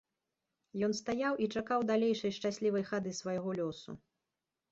Ён стаяў і чакаў далейшай шчаслівай хады свайго лёсу.